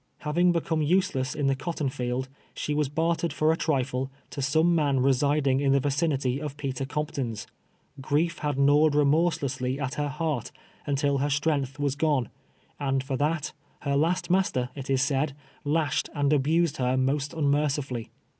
Having become useless in the cotton field, she was bartered for a trifle, to some man residing in the vicinity of Peter Compton's. Grief had gnawed remorselessly at her heart, until lier strength was gone ; and for that, her last master, it is said, lashed and abused her most unmercifully.